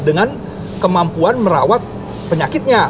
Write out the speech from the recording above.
dengan kemampuan merawat penyakitnya